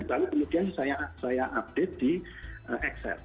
lalu kemudian saya update di ekses